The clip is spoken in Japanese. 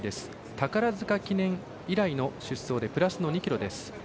宝塚記念以来の出走でプラスの２ｋｇです。